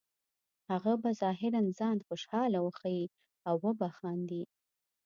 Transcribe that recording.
هغه به ظاهراً ځان خوشحاله وښیې او وبه خاندي